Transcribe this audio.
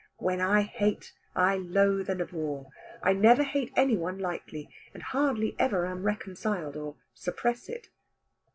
When I hate, I loathe and abhor. I never hate any one lightly, and hardly ever am reconciled, or suppress it.